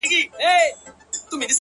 اوس دا يم ځم له خپلي مېني څخه؛